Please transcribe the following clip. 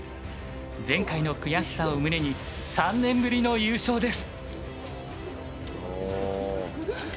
前回の悔しさを胸に３年ぶりの優勝です。